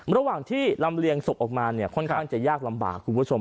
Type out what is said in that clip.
ระหว่างที่ลำเลียงศพออกมาเนี่ยค่อนข้างจะยากลำบากคุณผู้ชม